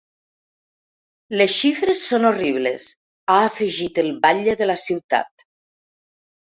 “Les xifres són horribles”, ha afegit el batlle de la ciutat.